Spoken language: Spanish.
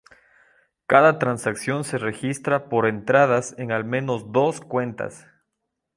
Cada transacción se registra por entradas en al menos dos cuentas.